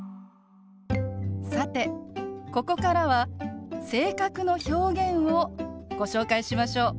さてここからは性格の表現をご紹介しましょう。